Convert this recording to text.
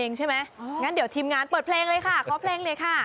เพลงใช่ไหมงั้นเดี๋ยวทีมงานเปิดเพลงเลยค่ะเค้าเพลงเลยค่ะ